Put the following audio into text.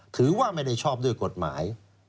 ถือว่าไม่ได้ชอบด้วยกฎหมาย